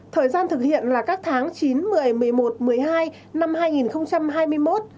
thời gian thực hiện là các tháng chín một mươi một mươi một một mươi hai năm hai nghìn hai mươi một